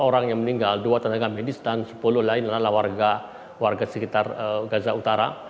empat puluh orang yang meninggal dua tenaga medis dan sepuluh lain adalah warga sekitar gaza utara